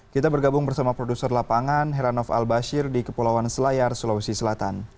kita bergabung bersama produser lapangan heranov al bashir di kepulauan selayar sulawesi selatan